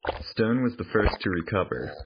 Stone was the first to recover.